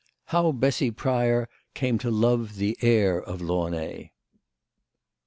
HOW BESSY PRYOR CAME TO LOVE THE HEIR OF LAUXAY.